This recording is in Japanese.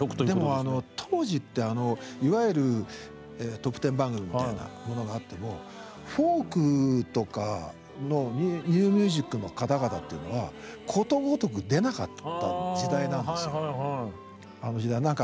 でも当時っていわゆるトップテン番組みたいなものがあってもフォークとかのニューミュージックの方々っていうのはことごとく出なかった時代なんですよ。